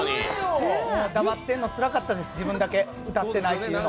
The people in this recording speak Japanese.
もう黙ってるのつらかったです、自分だけ、歌ってないというの。